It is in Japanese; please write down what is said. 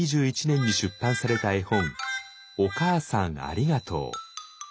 ２０２１年に出版された絵本「おかあさんありがとう」。